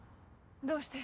どうして？